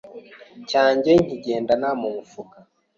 cyanjye nkigendana mu mufuka